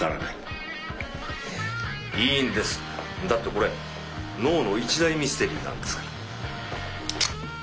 だってこれ脳の一大ミステリーなんですから。